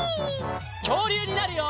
きょうりゅうになるよ！